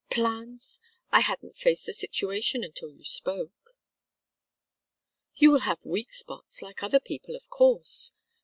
"Plans? I hadn't faced the situation until you spoke." "You have weak spots like other people, of course.